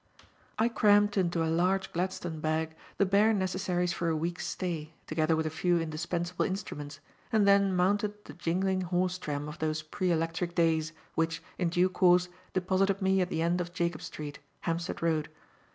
I crammed into a large Gladstone bag the bare necessaries for a week's stay, together with a few indispensable instruments, and then mounted the jingling horse tram of those pre electric days, which, in due course, deposited me at the end of Jacob Street, Hampstead Road.